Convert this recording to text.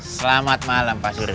selamat malam pak suriano